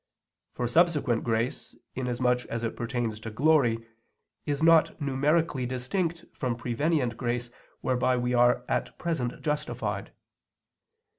For subsequent grace, inasmuch as it pertains to glory, is not numerically distinct from prevenient grace whereby we are at present justified.